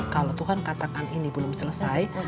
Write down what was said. kalau tuhan katakan ini belum selesai